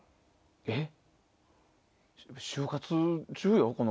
えっ？